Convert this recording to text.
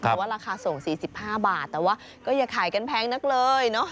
เพราะว่าราคาส่ง๔๕บาทแต่ว่าก็อย่าขายกันแพงนักเลย